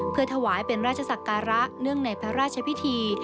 เพื่อถวายเป็นราชศักระเนื่องในพระราชพิธี